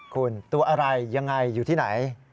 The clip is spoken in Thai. คุณตัวอะไรยังไงอยู่ที่ไหน